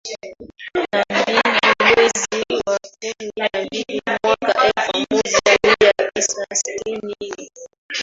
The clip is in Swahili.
na mbili mwezi wa kumi na mbili mwaka elfu moja mia tisa sitini ni